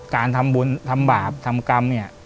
การทำบุญทำบาปทำกรรมเนี่ย